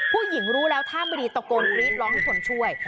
ผู้หญิงรู้แล้วท่าไม่ดีตะโกนกรี๊ดร้องให้คนช่วย